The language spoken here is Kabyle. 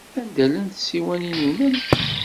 Anda llant tsiwanin-nnem?